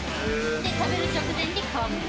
食べる直前に皮をむく。